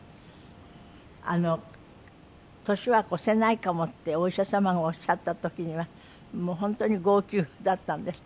あの「年は越せないかも」ってお医者様がおっしゃった時には本当に号泣だったんですって？